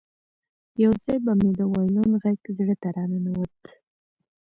یو ځای به مې د وایلون غږ زړه ته راننوت